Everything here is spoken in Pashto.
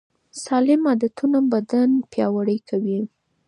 سالم عادتونه بدن پیاوړی کوي.